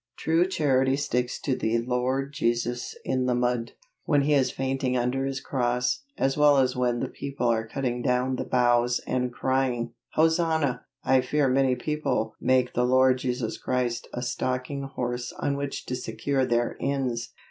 True Charity sticks to the LORD JESUS IN THE MUD, when He is fainting under His cross, as well as when the people are cutting down the boughs and crying "Hosanna!" I fear many people make the Lord Jesus Christ a stalking horse on which to secure their ends.